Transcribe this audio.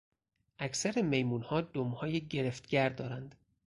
اکثر میمونها دمهای گرفتگر دارند.